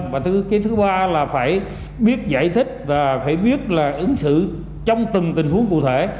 và thứ ba là phải biết giải thích và phải biết là ứng xử trong từng tình huống cụ thể